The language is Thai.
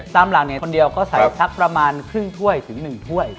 ตามหลังเนี่ยคนเดียวก็ใส่สักประมาณครึ่งถ้วยถึงหนึ่งถ้วยครับ